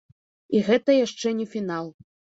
І гэта яшчэ не фінал.